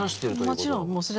もちろん。